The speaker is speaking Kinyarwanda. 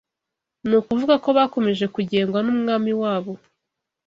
ni ukuvuga ko bakomeje kugengwa n’umwami wabo